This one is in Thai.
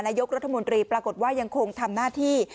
นายกรัฐมนตรีปรากฏว่ายังคงทำหน้าที่